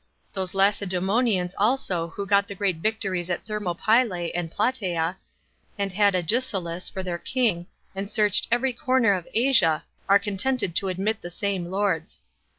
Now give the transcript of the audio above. Those Lacedemonians also who got the great victories at Thermopylae and Platea, and had Agesilaus [for their king], and searched every corner of Asia, are contented to admit the same lords.